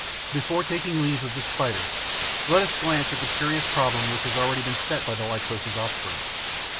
Before taking leave of this Spider, let us glance at a curious problem which has already been set by the Lycosa's offspring.